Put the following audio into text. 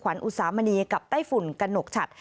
อุตสามณีกับไต้ฝุ่นกระหนกฉัด